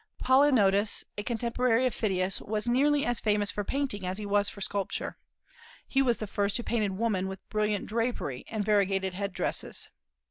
Polygnotus, a contemporary of Phidias, was nearly as famous for painting as he was for sculpture. He was the first who painted woman with brilliant drapery and variegated head dresses.